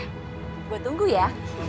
gue tunggu ya